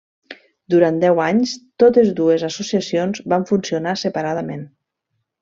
Durant deu anys totes dues associacions van funcionar separadament.